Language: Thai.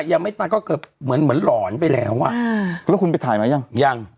ยังไม่ตายก็เกือบเหมือนเหมือนหลอนไปแล้วอ่ะอ่าแล้วคุณไปถ่ายไหมยังยัง